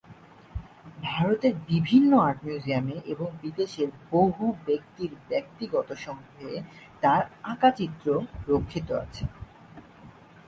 ভারতের বিভিন্ন আর্ট মিউজিয়ামে এবং বিদেশের বহু ব্যক্তির ব্যক্তিগত সংগ্রহে তার আঁকা চিত্র রক্ষিত আছে।